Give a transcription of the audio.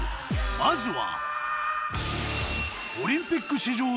まずは